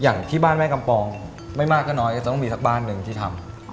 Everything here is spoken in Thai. อย่างที่บ้านแม่กำปองไม่มากก็น้อยจะต้องมีสักบ้านหนึ่งที่ทำ